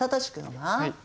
はい。